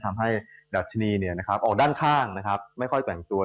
ทำให้ดัชนีออกด้านข้างไม่ค่อยแต่งตัว